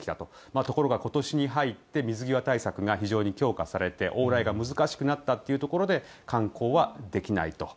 ところが今年に入って水際対策が非常に強化されて往来が難しくなったというところで観光はできないと。